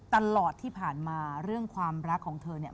ตลอดที่ผ่านมาเรื่องความรักของเธอเนี่ย